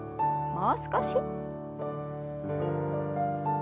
もう少し。